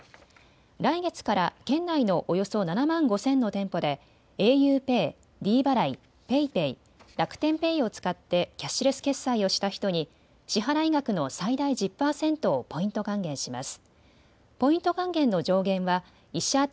来月から県内のおよそ７万５０００の店舗でａｕＰＡＹ、ｄ払い、ＰａｙＰａｙ、楽天ペイを使ってキャッシュレス決済をした人に支払額の最大１０％をポイント還元します。